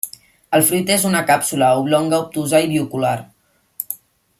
El fruit és una càpsula, oblonga, obtusa i bilocular.